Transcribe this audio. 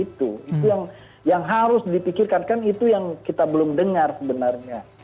itu yang harus dipikirkan kan itu yang kita belum dengar sebenarnya